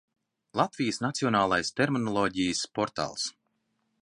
Latvijas Nacionālais terminoloģijas portāls